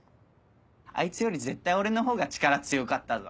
あいつより絶対俺の方が力強かったぞ。